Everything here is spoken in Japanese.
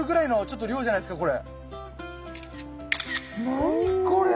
何これ！